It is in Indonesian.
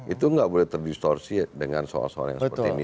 itu nggak boleh terdistorsi dengan soal soal yang seperti ini